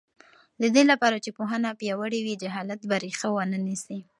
د دې لپاره چې پوهنه پیاوړې وي، جهالت به ریښه ونه نیسي.